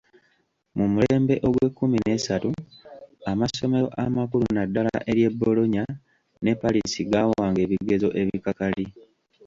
Mu mulembe ogw'ekkumi n'esatu, amasomero amakulu naddala ery'e Bologna ne Paris, gaawanga ebigezo ebikakali.